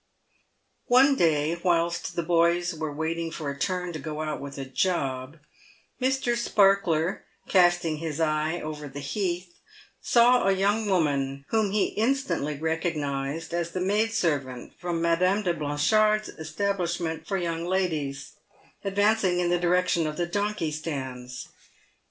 One day, whilst the boys were waiting for a turn to go out with a job, Mr. Sparkler, casting his eye over the heath, saw a young woman, whom he instantly recognised as the maid servant from Madame de Blanchard's establishment for young ladies, advancing in the direc tion of the donkey stands.